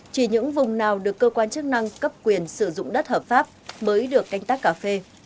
chỉ những vùng nào được cơ quan chức năng cấp quyền sử dụng đất hợp pháp mới được canh tác cà phê